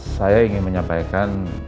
saya ingin menyampaikan